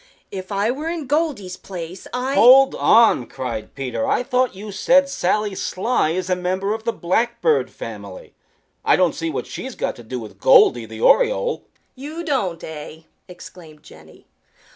If I were in Goldy's place I " "Hold on!" cried Peter. "I thought you said Sally Sly is a member of the Blackbird family. I don't see what she's got to do with Goldy the Oriole." "You don't, eh?" exclaimed Jenny.